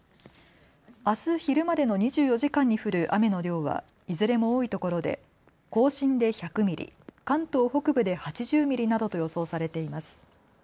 あす昼までの２４時間に降る雨の量はいずれも多いところで甲信で１００ミリ、関東北部で８０ミリなどと予想されています。